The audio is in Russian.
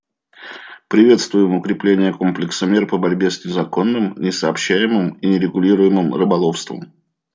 Приветствуем укрепление комплекса мер по борьбе с незаконным, несообщаемым и нерегулируемым рыболовством.